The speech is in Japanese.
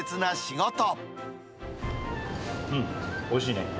うん、おいしいね。